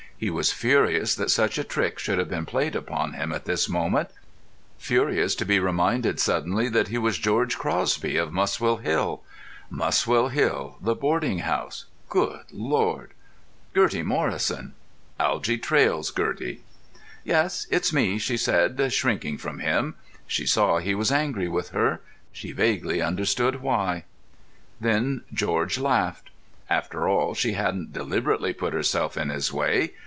He was furious that such a trick should have been played upon him at this moment; furious to be reminded suddenly that he was George Crosby of Muswell Hill. Muswell Hill, the boarding house—Good Lord! Gertie Morrison! Algy Traill's Gertie. "Yes, it's me," she said, shrinking from him. She saw he was angry with her; she vaguely understood why. Then George laughed. After all, she hadn't deliberately put herself in his way.